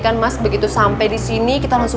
kan mas begitu sampai di sini kita langsung